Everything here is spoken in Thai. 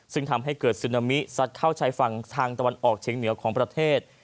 ซึ่งทำให้เกิดซึนามิซัดเข้าชายฝั่งทางตะวันออกเฉียงเหนือของประเทศ